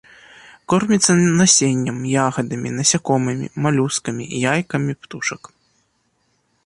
Корміцца насеннем, ягадамі, насякомымі, малюскамі, яйкамі птушак.